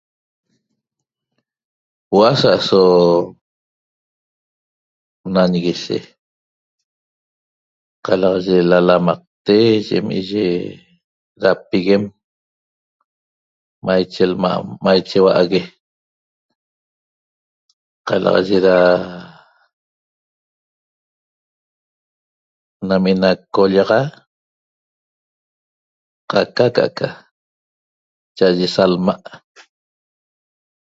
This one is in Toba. Hua sa'aso nañiguishe qalaxaye lalamaqte yim'iye rapiguem maiche lma' maiche huague qalaxaye ra nam ena qo'ollaxa qaca ca'aca cha'aye salma'